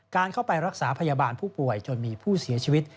การเข้าไปรักษาพยาบาลผู้ป่วยจนมีผู้เสียชีวิต